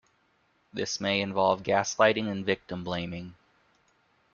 This may involve gaslighting and victim blaming.